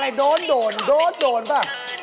อะไรโดนโดนโดนโดนป่ะ